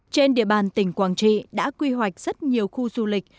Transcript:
trên địa bàn tỉnh quảng trị đã quy hoạch rất nhiều khu du lịch